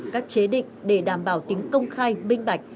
các chế định để đảm bảo tính công khai minh bạch